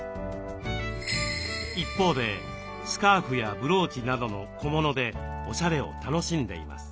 一方でスカーフやブローチなどの小物でオシャレを楽しんでいます。